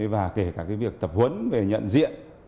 và kể cả việc tập huấn về nhận diện